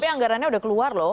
tapi anggarannya udah keluar loh